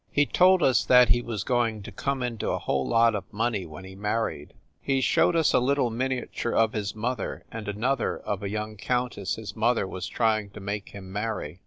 He told us that he was going to come into a whole lot of money when he married. He showed us a little miniature of his mother and an other of a young countess his mother was trying to make him marry.